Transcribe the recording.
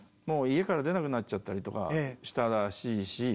もう家から出なくなっちゃったりとかしたらしいし。